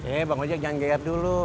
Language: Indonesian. eh bang ojak jangan geyar dulu